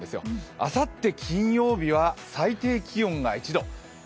あさって金曜日は最低気温が１度。